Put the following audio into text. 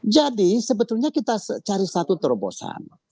jadi sebetulnya kita cari satu terobosan